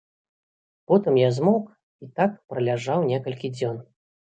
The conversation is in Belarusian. Потым я змоўк і так праляжаў некалькі дзён.